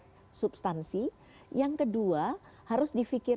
kemudian memang harus menilai pr